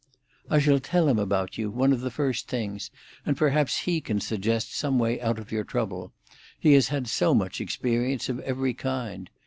"I shall tell him about you, one of the first things, and perhaps he can suggest some way out of your trouble, he has had so much experience of every kind.